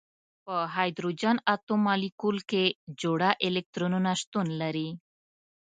په هایدروجن اتوم مالیکول کې جوړه الکترونونه شتون لري.